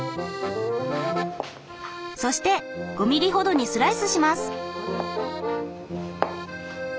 そして５ｍｍほどにスライスします。